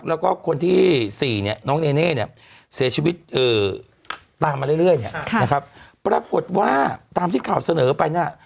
แล้วก็คนที่๔เนี่ยน้องเนเน่เนี่ยเสียชีวิตตามมาเรื่อยเนี่ยนะครับปรากฏว่าตามที่ข่าวเสนอไปเนี่ย